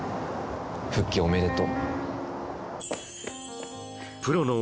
復帰おめでとう。